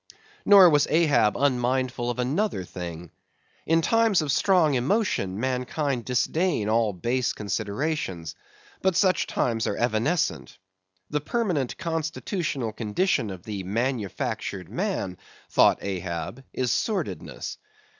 Nor was Ahab unmindful of another thing. In times of strong emotion mankind disdain all base considerations; but such times are evanescent. The permanent constitutional condition of the manufactured man, thought Ahab, is sordidness.